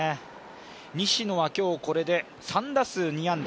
西野は今日これで３打数２安打。